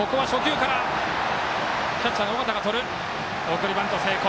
送りバント成功。